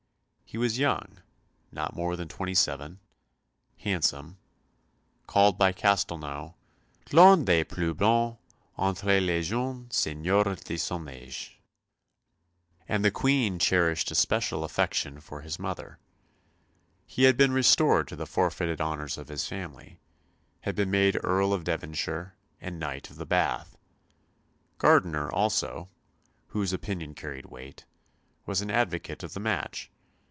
He was young, not more than twenty seven, handsome called by Castlenau "l'un des plus beaux entre les jeunes seigneurs de son âge" and the Queen cherished a special affection for his mother. He had been restored to the forfeited honours of his family, had been made Earl of Devonshire and Knight of the Bath. Gardiner also, whose opinion carried weight, was an advocate of the match.